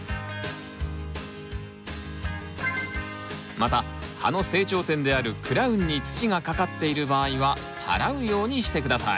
また葉の成長点であるクラウンに土がかかっている場合ははらうようにして下さい。